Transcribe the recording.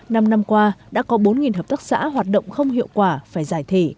năm năm qua đã có bốn hợp tác xã hoạt động không hiệu quả phải giải thể